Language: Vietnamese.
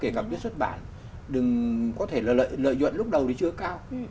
kể cả với xuất bản đừng có thể lợi nhuận lúc đầu thì chưa cao